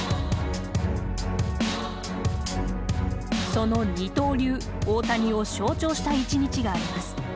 その二刀流・大谷を象徴した１日があります。